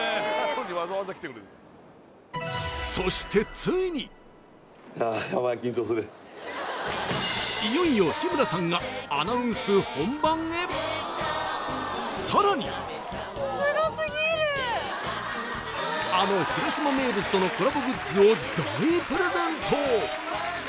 ついにいよいよ日村さんがさらにあの広島名物とのコラボグッズを大プレゼント